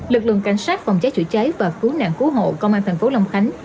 lực lượng cảnh sát phòng cháy chữa cháy và cứu nạn cứu hộ công an thành phố long khánh